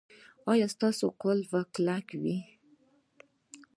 ایا ستاسو قفل به کلک وي؟